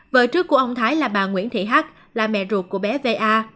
vợ trước của ông thái là bà nguyễn thị hắt là mẹ ruột của bé va